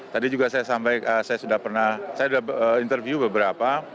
tadi juga saya sudah interview beberapa